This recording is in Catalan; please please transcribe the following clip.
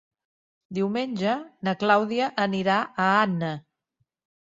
Diumenge na Clàudia anirà a Anna.